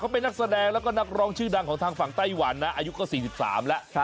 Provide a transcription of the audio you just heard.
เป็นนักแสดงแล้วก็นักร้องชื่อดังของทางฝั่งไต้หวันนะอายุก็๔๓แล้ว